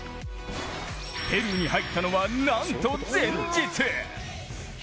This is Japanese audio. ペルーに入ったのは、なんと前日。